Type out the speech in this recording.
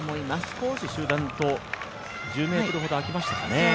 少し集団と、１０ｍほど空きましたかね。